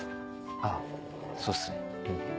あそうっすね。